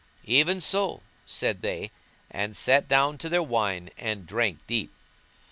"Even so," said they; and sat down to their wine and drank deep.